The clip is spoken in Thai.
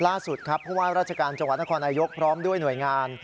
ล่าสุดครับผู้ว่าราชการจังหวัดนครนายกพร้อมด้วยหน่วยงาน